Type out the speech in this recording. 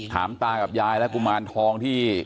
ตากับยายและกุมารทองที่